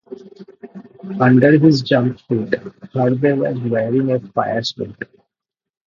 Under his jumpsuit, Harvey was wearing a fire suit.